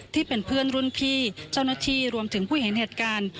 ที่เป็นเพื่อนรุ่นพี่เจ้าหน้าที่รวมถึงผู้เห็นเหตุการณ์